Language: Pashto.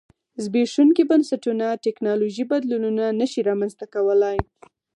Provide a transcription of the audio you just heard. زبېښونکي بنسټونه ټکنالوژیکي بدلونونه نه شي رامنځته کولای